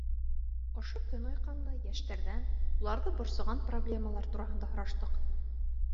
Ошо көн айҡанлы йәштәрҙән уларҙы борсоған проблемалар тураһында һораштыҡ.